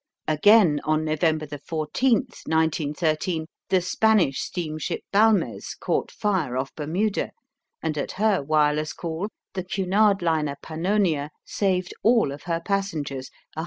Again, on November 14, 1913, the Spanish steamship Balmes caught fire off Bermuda, and at her wireless call the Cunard liner Pannonia saved all of her passengers 103.